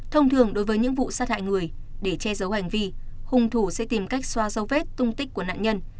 thông thường đối với những vụ sát hại người để che giấu hành vi hung thủ sẽ tìm cách xoa dấu vết tung tích của nạn nhân